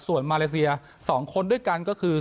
ส่วนมาเลเซีย๒คนด้วยกันก็คือ